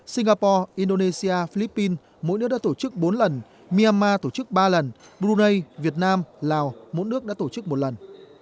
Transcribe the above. singapore indonesia philippines mỗi nước đã tổ chức bốn lần myanmar tổ chức ba lần brunei việt nam lào mỗi nước đã tổ chức một lần